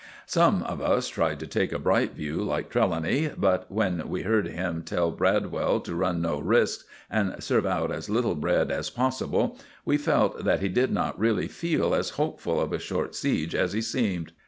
Some of us tried to take a bright view like Trelawny, but when we heard him tell Bradwell to run no risks and serve out as little bread as possible, we felt that he did not really feel as hopeful of a short siege as he seemed.